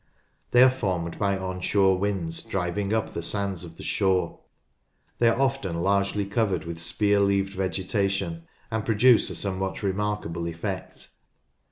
They are formed by on shore winds driving up the sands oi' the shore. They are often largely covered with spear leaved vegetation, and produce a somewhat remarkable effect.